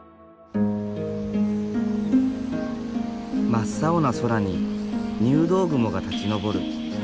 真っ青な空に入道雲が立ちのぼる。